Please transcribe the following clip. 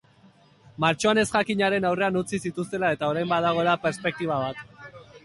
Martxoan ezjakinaren aurrean utzi zituztela eta orain badagoela perspektiba bat.